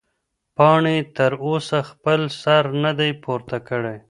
پاڼې تر اوسه خپل سر نه دی پورته کړی.